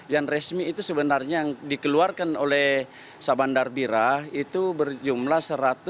yang resmi itu sebenarnya yang dikeluarkan oleh sabandar bira itu berjumlah satu ratus lima puluh